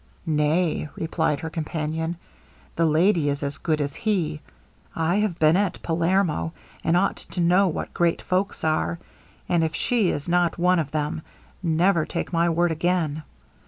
'Nay,' replied her companion, 'the lady is as good as he. I have been at Palermo, and ought to know what great folks are, and if she is not one of them, never take my word again.